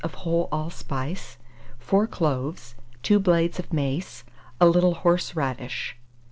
of whole allspice, 4 cloves, 2 blades of mace, a little horseradish.